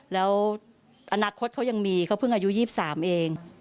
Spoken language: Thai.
แล้วอนาคตเขายังมีเขาเพิ่งอายุ๒๓เอง